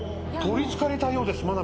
取りつかれたようです